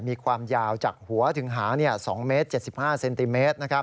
มีความยาวจากหัวถึงหา๒เมตร๗๕เซนติเมตร